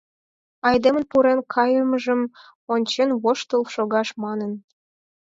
Айдемын пурен кайымыжым ончен, воштыл шогаш манын.